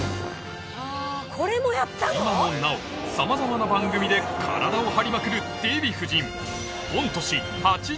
今もなおさまざまな番組で体を張りまくるデヴィ夫人